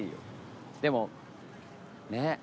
でもねえ